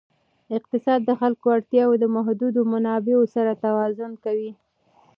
اقتصاد د خلکو اړتیاوې د محدودو منابعو سره توازن کوي.